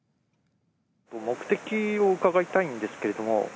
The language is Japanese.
目的を伺いたいんですけど。